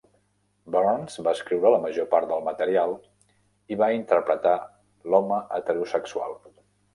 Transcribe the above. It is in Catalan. Burns va escriure la major part del material i va interpretar l'home heterosexual.